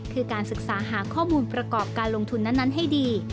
คือการศึกษาหาข้อมูลประกอบการลงทุนนั้นให้ดี